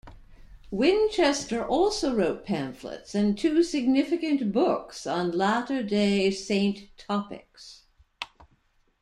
Winchester also wrote pamphlets and two significant books on Latter Day Saint topics.